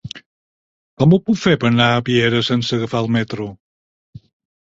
Com ho puc fer per anar a Piera sense agafar el metro?